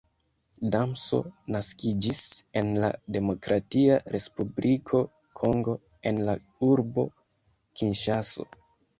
Damso naskiĝis en la Demokratia Respubliko Kongo en la urbo Kinŝaso.